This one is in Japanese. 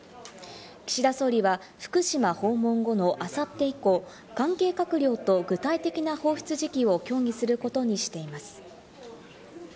岸田総理は福島訪問後のあさって以降、関係閣僚と具体的な放出時期を協議することにしています。